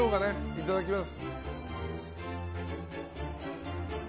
いただきます。